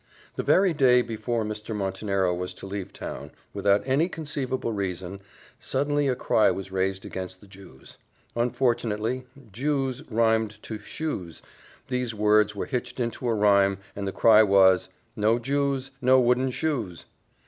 The very day before Mr. Montenero was to leave town, without any conceivable reason, suddenly a cry was raised against the Jews: unfortunately, Jews rhymed to shoes: these words were hitched into a rhyme, and the cry was, "No Jews, no wooden shoes!"